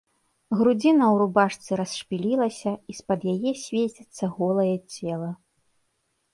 Грудзіна ў рубашцы расшпілілася, і з-пад яе свеціцца голае цела.